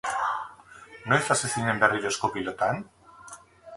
Noiz hasi zinen berriro esku-pilotan?